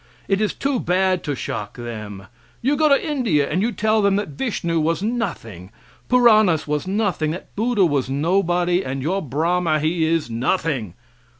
It is too bad to shock them. You go to India and you tell them that Vishnu was nothing, Puranas was nothing, that Buddha was nobody, and your Brahma, he is nothing.